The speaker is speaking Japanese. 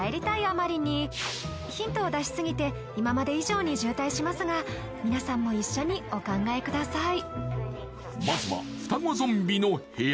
あまりにヒントを出しすぎて今まで以上に渋滞しますが皆さんも一緒にお考えください